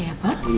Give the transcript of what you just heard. iya iya kan noh